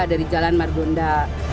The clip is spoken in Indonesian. dari jalan margonda